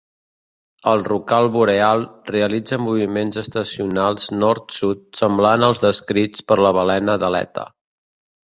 El rorqual boreal realitza moviments estacionals nord-sud semblants als descrits per la balena d'aleta.